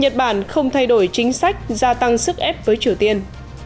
nhật bản không thay đổi chính sách gia tăng sức ép với triều tiên